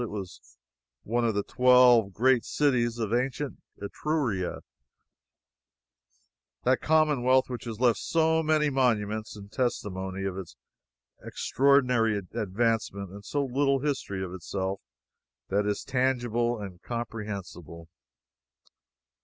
It was one of the twelve great cities of ancient Etruria, that commonwealth which has left so many monuments in testimony of its extraordinary advancement, and so little history of itself that is tangible and comprehensible.